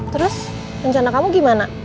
terus rencana kamu gimana